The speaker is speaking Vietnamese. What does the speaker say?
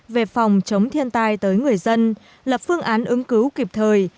về phòng chống thiên tai tới người dân lập phương án ứng cứu kịp thời